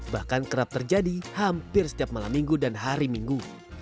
bahkan kerap terjadi hampir setiap malam minggu dan hari minggu